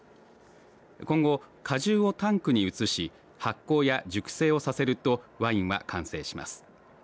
今後、果汁をタンクに移し発酵や熟成をさせるとワインは完成します。